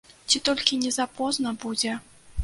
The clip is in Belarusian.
Ці толькі не запозна будзе.